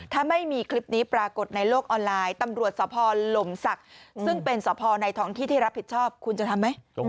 ถ้าไม่มีคลิปนี้ปรากฏในโลกออนไลน์ตำรวจสพลมศักดิ์ซึ่งเป็นสพในท้องที่ที่รับผิดชอบคุณจะทำไหม